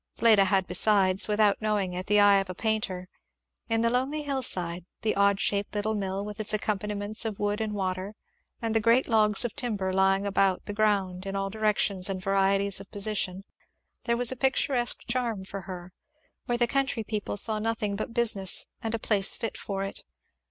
Fleda had besides, without knowing it, the eye of a painter. In the lonely hillside, the odd shaped little mill, with its accompaniments of wood and water, and the great logs of timber lying about the ground in all directions and varieties of position, there was a picturesque charm for her, where the country people saw nothing but business and a place fit for it.